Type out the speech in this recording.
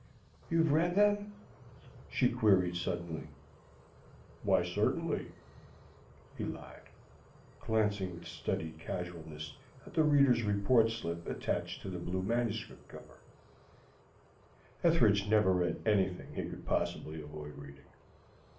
"You've read them?" she queried suddenly. "Why, certainly," he lied, glancing with studied casualness at the Reader's Report slip attached to the blue manuscript cover. Ethridge never read anything he could possibly avoid reading.